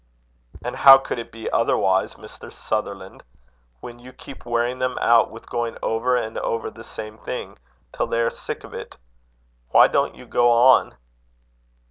"And how could it be otherwise, Mr. Sutherland, when you keep wearing them out with going over and over the same thing, till they are sick of it? Why don't you go on?"